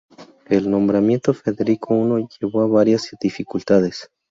El nombramiento de Federico I llevó a varias dificultades.